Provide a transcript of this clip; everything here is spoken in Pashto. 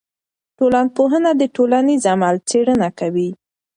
ټولنپوهنه د ټولنیز عمل څېړنه کوي.